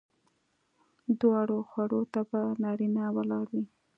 دواړو خواوو ته به نارینه ولاړ وي.